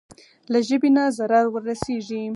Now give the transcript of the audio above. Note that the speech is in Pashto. له ژبې نه ضرر ورسېږي.